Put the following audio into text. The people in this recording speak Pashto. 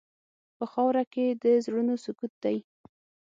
په خاوره کې د زړونو سکوت دی.